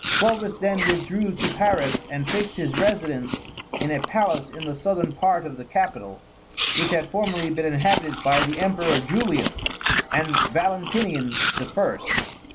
Clovis then withdrew to Paris, and fixed his residence in a palace in the southern part of the capital, which had formerly been inhabited by the emperors Julian and Valentinian the First.